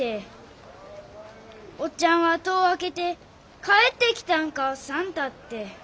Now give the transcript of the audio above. おっちゃんは戸を開けて「帰ってきたんか算太」って。